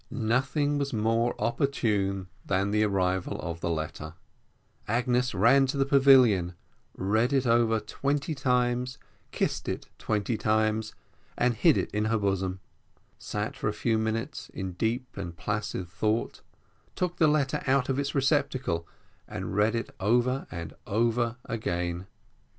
Nothing was more opportune than the arrival of the letter; Agnes ran to the pavilion, read it over twenty times, kissed it twenty times, and hid it in her bosom; sat for a few minutes in deep and placid thought, took the letter out of its receptacle, and read it over and over again.